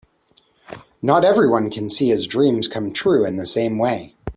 Not everyone can see his dreams come true in the same way.